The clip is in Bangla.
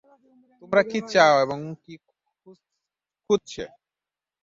তোমরা কী চাও এবং কী খুঁজছে?